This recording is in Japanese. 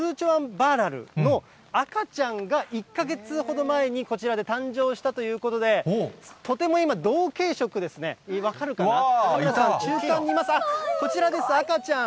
バーラルの赤ちゃんが１か月ほど前にこちらで誕生したということで、とても今、同系色ですね、分かるかな、中間にいます、こちらです、赤ちゃん。